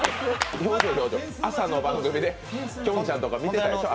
朝の番組で、きょんちゃんとか見てたでしょう？